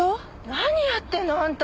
何やってんのあんた。